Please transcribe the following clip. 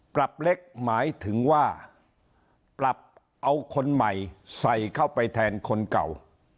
ปรับเล็กหมายถึงว่าปรับเอาคนใหม่ใส่เข้าไปแทนคนเก่า